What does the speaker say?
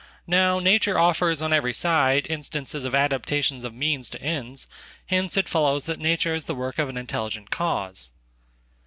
Now natureoffers on every side instances of adaptations of means to ends, hence it follows that nature is the work of an intelligent cause."